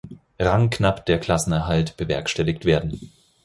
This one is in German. Rang knapp der Klassenerhalt bewerkstelligt werden.